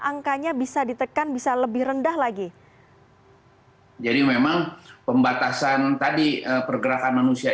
angkanya bisa ditekan bisa lebih rendah lagi jadi memang pembatasan tadi pergerakan manusia